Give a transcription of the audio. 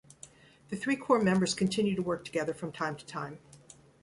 The three core members continue to work together from time to time.